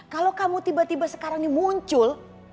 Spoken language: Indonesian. kalau kamu tiba tiba sekarang ini muncul